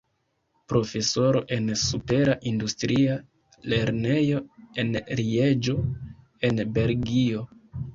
Profesoro en Supera Industria Lernejo en Lieĝo en Belgio.